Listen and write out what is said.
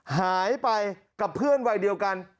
หายไปกับเพื่อนวัยเดียวกัน